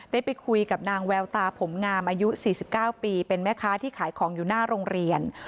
ได้ไปคุยกับนางแววตาผมงามอายุ๔๙ปีเป็นแม่ค้าที่ขายของอยู่หน้าโรงเรียน